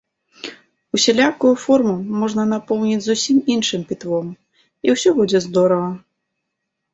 Усялякую форму можна напоўніць зусім іншым пітвом, і ўсё будзе здорава.